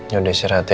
ya udah istirahat ya